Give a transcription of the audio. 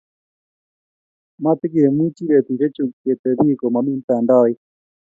matikemuchi betusiechu ke tebii ko mami mtandaoit